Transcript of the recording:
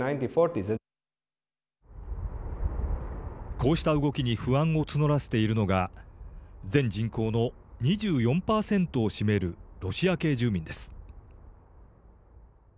こうした動きに不安を募らせているのが全人口の２４％を占めるロシア系住民です。